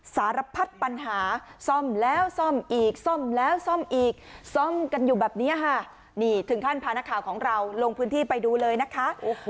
สารพัดปัญหาซ่อมแล้วซ่อมอีกซ่อมแล้วซ่อมอีกซ่อมกันอยู่แบบนี้ค่ะนี่ถึงขั้นพานักข่าวของเราลงพื้นที่ไปดูเลยนะคะ